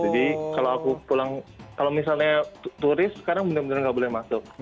jadi kalau aku pulang kalau misalnya turis sekarang benar benar nggak boleh masuk